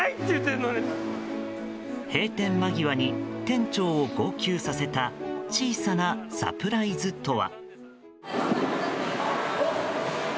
閉店間際に、店長を号泣させた小さなサプライズとは？